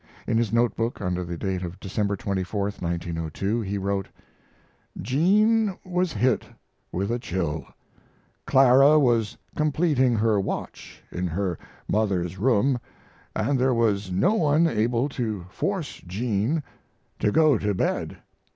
In his note book, under the date of December 24(1902), he wrote: Jean was hit with a chill: Clara was completing her watch in her mother's room and there was no one able to force Jean to go to bed.